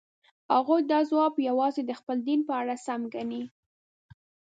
هغوی دا ځواب یوازې د خپل دین په اړه سم ګڼي.